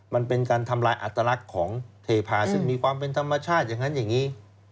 มันเป็นการทำลายอัตลักษณ์ของเทพาซึ่งมีความเป็นธรรมชาติอย่างนั้นอย่างนี้